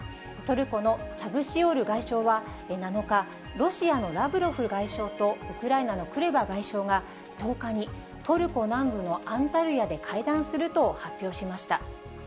トルコのチャブシオール外相は、７日、ロシアのラブロフ外相とウクライナのクレバ外相が、１０日にトルコ南部のアンタルヤで会談すると発表しました。